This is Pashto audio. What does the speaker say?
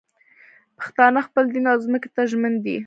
پښتانه خپل دین او ځمکې ته ژمن دي